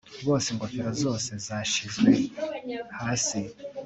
Bose ingofero zose zashizwe hasi